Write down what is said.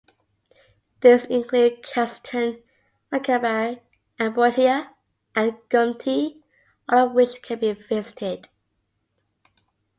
These include "Castleton", "Makaibarie", "Ambotia" and "Goomtee", all of which can be visited.